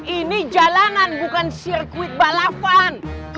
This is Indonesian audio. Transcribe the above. ini jalanan bukan sirkuit balapan